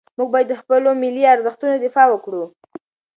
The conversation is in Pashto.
موږ باید د خپلو ملي ارزښتونو دفاع وکړو.